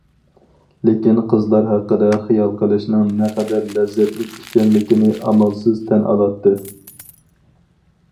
لېكىن قىزلار ھەققىدە خىيال قىلىشنىڭ نەقەدەر لەززەتلىك ئىكەنلىكىنى ئامالسىز تەن ئالاتتى.